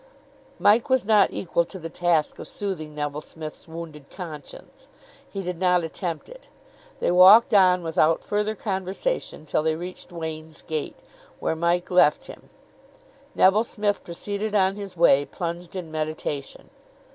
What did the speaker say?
Mike was not equal to the task of soothing Neville Smith's wounded conscience. He did not attempt it. They walked on without further conversation till they reached Wain's gate, where Mike left him. Neville Smith proceeded on his way, plunged in meditation.